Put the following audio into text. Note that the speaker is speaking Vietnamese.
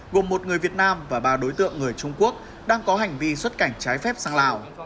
gồm một người việt nam và ba đối tượng người trung quốc đang có hành vi xuất cảnh trái phép sang lào